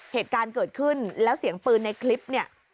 เหตุการณ์เกิดขึ้นแล้วเสียงปืนในคลิปเนี่ย